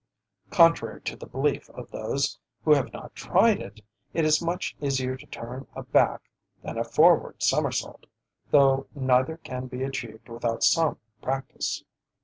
Contrary to the belief of those who have not tried it, it is much easier to turn a back than a forward somersault, though neither can be achieved without some practice.